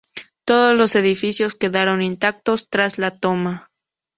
Todos los edificios quedaron intactos tras la toma.